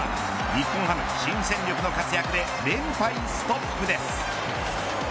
日本ハム、新戦力の活躍で連敗ストップです。